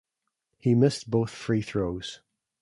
He missed both free throws.